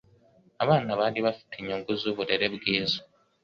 Abana bari bafite inyungu zuburere bwiza.